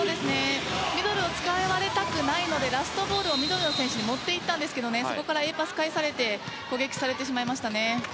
ミドルを使われたくないのでラストボールをミドルの選手に持っていったんですがそこからＡパス返されて攻撃されてしまいました。